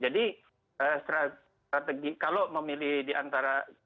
jadi strategi kalau memilih diantara